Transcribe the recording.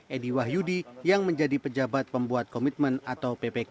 edi wahyudi yang menjadi pejabat pembuat komitmen atau ppk